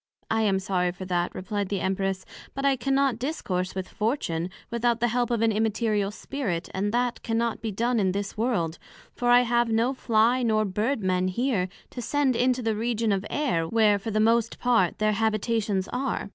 I am sorry for that, replied the Empress; but I cannot discourse with Fortune, without the help of an Immaterial Spirit, and that cannot be done in this World; for I have no Fly nor Bird men here, to send into the Region of the Air, where, for the most part, their Habitations are.